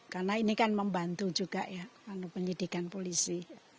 karena ini kan membantu juga ya penyidikan polisi